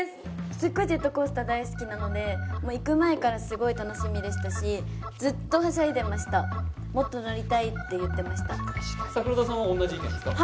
すっごいジェットコースター大好きなのでもう行く前からすごい楽しみでしたしずっとはしゃいでましたもっと乗りたいって言ってました桜田さんは同じ意見ですか？